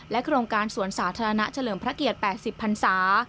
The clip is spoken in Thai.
โครงการสวนสาธารณะเฉลิมพระเกียรติ๘๐พันศา